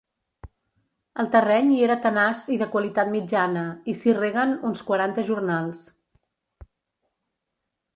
El terreny hi era tenaç i de qualitat mitjana, i s'hi reguen uns quaranta jornals.